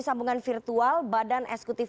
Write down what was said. sambungan virtual badan esekutif